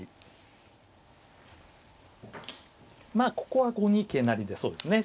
ここは５二桂成でそうですね